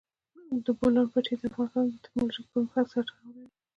د بولان پټي د افغانستان د تکنالوژۍ پرمختګ سره تړاو لري.